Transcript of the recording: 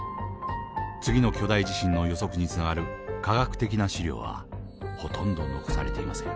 次の巨大地震の予測につながる科学的な資料はほとんど残されていません。